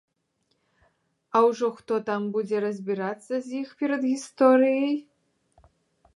А ўжо хто там будзе разбірацца з іх перадгісторыяй?